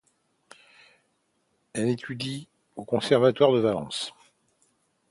Il étudie au Conservatoire de Valence.